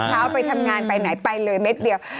ไปทำงานไปไหนไปเลยเม็ดเดียว